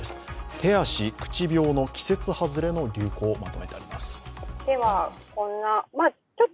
手足口病の季節外れの流行まとめてあります。